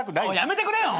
やめてくれよ！